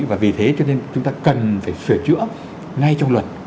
và vì thế cho nên chúng ta cần phải sửa chữa ngay trong luật